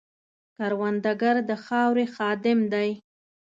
کروندګر د خاورې خادم دی